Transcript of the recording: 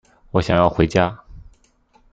我想要回家